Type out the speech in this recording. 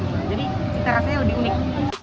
jadi kita rasanya lebih unik